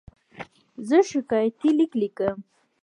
زه شکایتي لیک لیکم.